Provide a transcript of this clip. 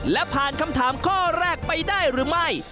และผ่านคำถามข้อแรกไปได้หรือไม่